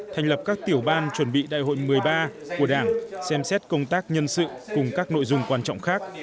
thành lập các tiểu ban chuẩn bị đại hội một mươi ba của đảng xem xét công tác nhân sự cùng các nội dung